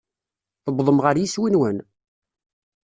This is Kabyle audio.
Tewwḍem ɣer yiswi-nwen?